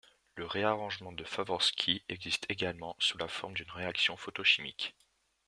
Le réarrangement de Favorskii existe également sous la forme d'une réaction photochimique.